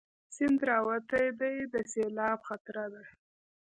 سيند راوتی دی، د سېلاب خطره ده